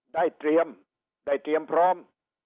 ได้เตรียมได้เตรียมพร้อม